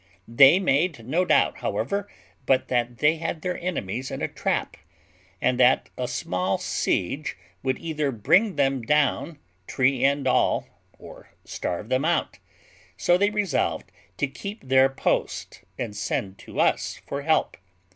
They made no doubt, however, but that they had their enemies in a trap, and that a small siege would either bring them down, tree and all, or starve them out; so they resolved to keep their post, and send to us for help.